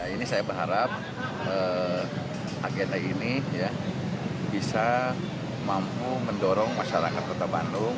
ini saya berharap agenda ini bisa mampu mendorong masyarakat kota bandung